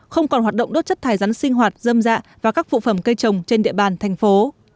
không còn hoạt động đốt chất thải rắn sinh hoạt dơm dạ và các phụ phẩm cây trồng trên địa bàn thành phố